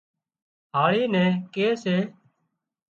هاۯِي نين ڪي سي